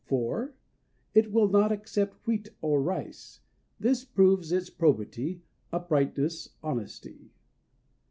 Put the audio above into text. "IV. It will not accept wheat or rice. This proves its probity, uprightness, honesty.